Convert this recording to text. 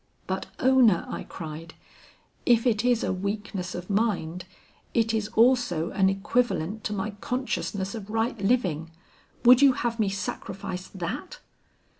"'But Ona,' I cried, 'if it is a weakness of mind, it is also an equivalent to my consciousness of right living. Would you have me sacrifice that?'